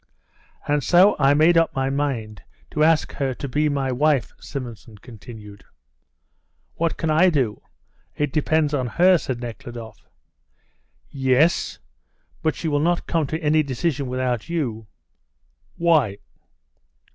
" And so I made up my mind to ask her to be my wife," Simonson continued. "What can I do? It depends on her," said Nekhludoff. "Yes; but she will not come to any decision without you." "Why?"